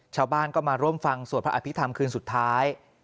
ชาวบ้านก็มาร่วมฟังสวดพระอภิษฐรรมคืนสุดท้าย